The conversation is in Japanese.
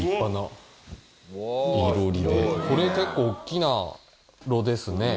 これ結構大きな炉ですね。